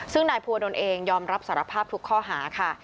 ซึ่งนายภูวดลเองยอมรับสารภาพทุกข้อหาค่ะ